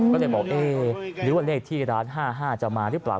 ก็เลยบอกเอ๊ะหรือว่าเลขที่ร้าน๕๕จะมาหรือเปล่า